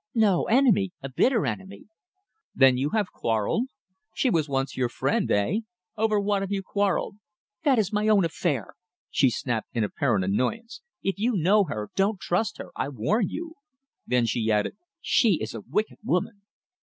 No, enemy a bitter enemy!" "Then you have quarrelled? She was once your friend eh? Over what have you quarrelled?" "That is my own affair!" she snapped in apparent annoyance. "If you know her, don't trust her. I warn you!" Then she added: "She is a wicked woman."